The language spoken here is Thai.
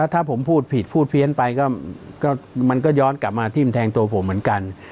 ถ้าผมพูดผิดพูดเพี้ยนไปมันก็ย้อนกลับมาทิ้มแทงตัวผมเหมือนกัน